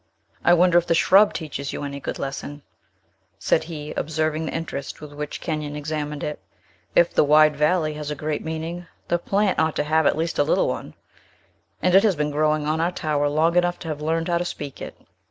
"I wonder if the shrub teaches you any good lesson," said he, observing the interest with which Kenyon examined it. "If the wide valley has a great meaning, the plant ought to have at least a little one; and it has been growing on our tower long enough to have learned how to speak it."